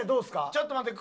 ちょっと待って。